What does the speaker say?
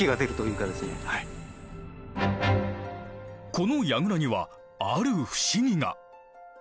この櫓にはある不思議が。